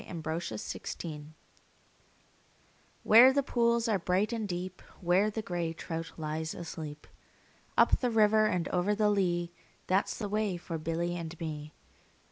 A Boy's Song WHERE the pools are bright and deep, Where the grey trout lies asleep, Up the river and over the lea, That 's the way for Billy and me.